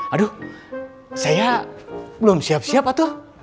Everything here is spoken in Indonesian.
aduh saya belum siap siap atau